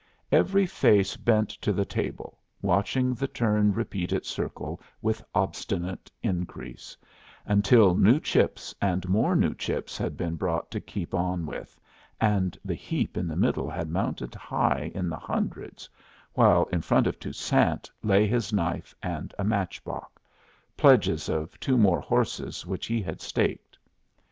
Every face bent to the table, watching the turn repeat its circle with obstinate increase, until new chips and more new chips had been brought to keep on with, and the heap in the middle had mounted high in the hundreds, while in front of Toussaint lay his knife and a match box pledges of two more horses which he had staked.